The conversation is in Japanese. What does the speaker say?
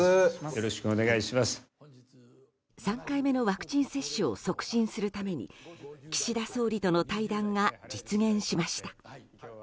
３回目のワクチン接種を促進するために岸田総理との対談が実現しました。